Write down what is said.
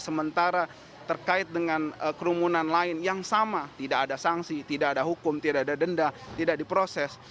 sementara terkait dengan kerumunan lain yang sama tidak ada sanksi tidak ada hukum tidak ada denda tidak diproses